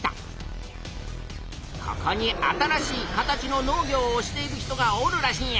ここに新しい形の農業をしている人がおるらしいんや。